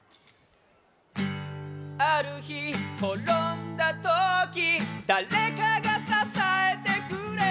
あるひころんだときだれかがささえてくれた